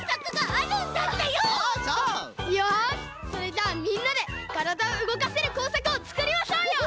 よしそれじゃあみんなでからだをうごかせるこうさくをつくりましょうよ！